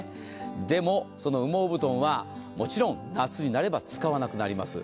でも、その羽毛布団はもちろん夏になれば使わなくなります。